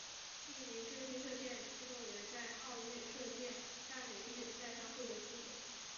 一名智利射箭运动员在奥运射箭泛美预选赛上获得资格。